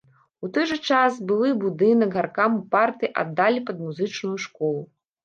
У той жа час былы будынак гаркаму партыі аддалі пад музычную школу.